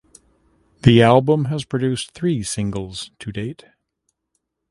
The album has produced three singles to date.